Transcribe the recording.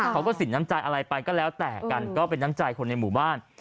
สินน้ำใจอะไรไปก็แล้วแต่กันก็เป็นน้ำใจคนในหมู่บ้าน